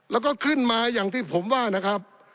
แล้วก็ขึ้นมาอย่างที่ผมว่านะครับ